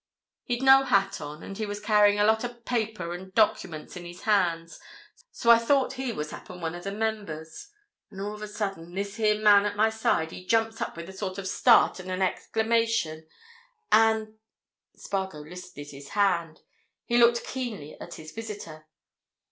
He'd no hat on, and he was carrying a lot of paper and documents in his hand, so I thought he was happen one of the members. And all of a sudden this here man at my side, he jumps up with a sort of start and an exclamation, and——" Spargo lifted his hand. He looked keenly at his visitor.